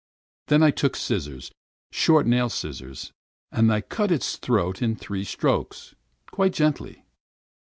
Then I took scissors, short nail scissors, and I cut its throat with three slits, quite gently.